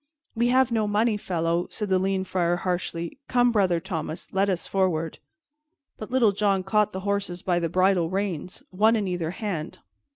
"We have no money, fellow," said the lean Friar harshly. "Come, Brother Thomas, let us forward." But Little John caught the horses by the bridle reins, one in either hand.